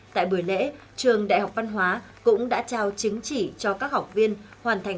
tại bữa lễ trường đại học văn hóa cũng đã trao chứng chỉ cho các học viên